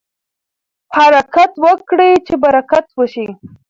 حرکت وکړئ چې برکت وشي.